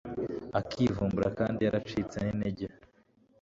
akivumbura, kandi yaracitse n'intege